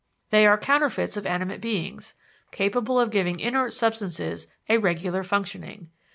They are counterfeits of animate beings, capable of giving inert substances a regular functioning.